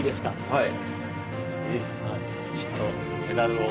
はい。